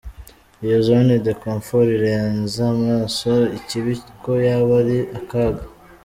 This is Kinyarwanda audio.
Iyo zone de confort irenza amaso ikibi ko yaba ari akaga !